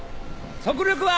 速力は！